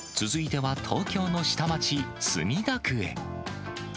続いては東京の下町、墨田区へ。